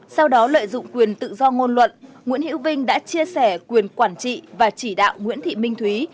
sau đó lợi dụng quyền tự do ngôn luận nguyễn hữu vinh đã chia sẻ quyền quản trị và chỉ đạo nguyễn thị minh thúy